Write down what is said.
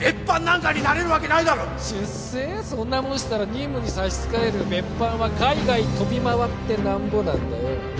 そんなもんしたら任務に差し支える別班は海外飛び回ってなんぼなんだよ